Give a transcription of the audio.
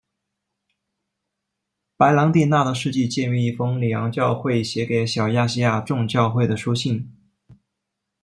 白郎弟娜的事迹见于一封里昂教会写给小亚细亚众教会的书信。